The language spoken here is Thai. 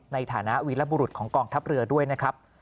ในฐานะวีรบุรุษของกองทัพเรือด้วยนะครับ